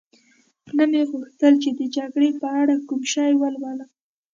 نه مې غوښتل چي د جګړې په اړه کوم شی ولولم.